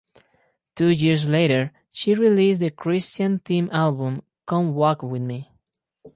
Two years later she released the Christian themed album "Come Walk with Me".